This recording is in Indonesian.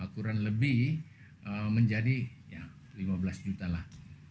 kurang lebih menjadi lima belas juta lah